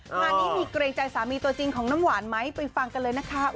งานนี้มีเกรงใจสามีตัวจริงของน้ำหวานไหมไปฟังกันเลยนะคะ